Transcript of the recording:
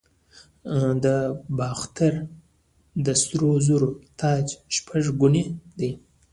د باختر د سرو زرو تاج شپږ ګونی دی